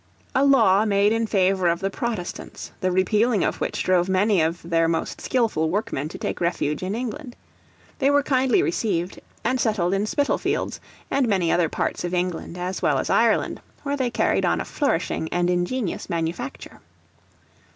A law made in favor of the Protestants, the repealing of which drove many of their most skilful workmen to take refuge in England. They were kindly received, and settled in Spitalfields, and many other parts of England as well as Ireland, where they carried on a flourishing and ingenious manufacture.